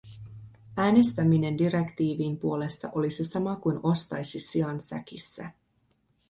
Äänestäminen direktiivin puolesta olisi sama kuin ostaisi sian säkissä.